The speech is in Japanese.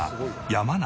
山梨？